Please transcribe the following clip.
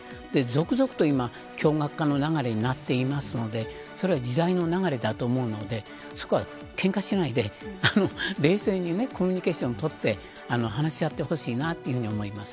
続々と共学化の流れになっていますのでそれは時代の流れだと思うのでそこは、けんかしないで冷静にコミュニケーションを取って話し合ってほしいと思います。